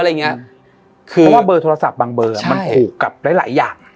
เพราะว่าเบอร์โทรศัพท์บางเบอร์มันผูกกับหลายหลายอย่าง